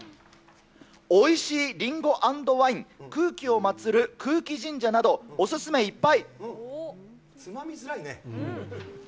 おいしいりんご＆ワイン、空気を祭る空気神社など、おすすめいっぱい。